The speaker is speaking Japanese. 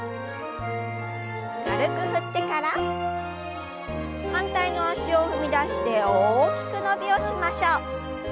軽く振ってから反対の脚を踏み出して大きく伸びをしましょう。